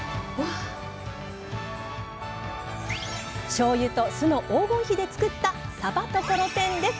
しょうゆと酢の黄金比で作った「さばところてん」です！